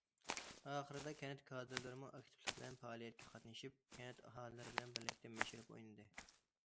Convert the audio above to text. ئاخىرىدا، كەنت كادىرلىرىمۇ ئاكتىپلىق بىلەن پائالىيەتكە قاتنىشىپ، كەنت ئاھالىلىرى بىلەن بىرلىكتە مەشرەپ ئوينىدى.